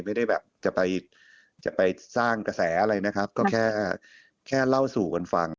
ไม่ได้แบบจะไปจะไปสร้างกระแสอะไรนะครับก็แค่แค่เล่าสู่กันฟัง